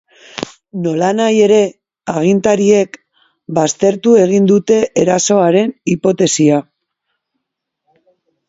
Nolanahi ere, agintariek baztertu egin dute erasoaren hipotesia.